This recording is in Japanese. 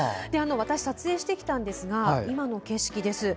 撮影してきたんですが今の景色です。